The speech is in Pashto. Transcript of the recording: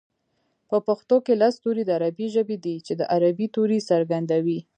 په پښتو کې لس توري د عربۍ ژبې دي چې د عربۍ توري څرګندوي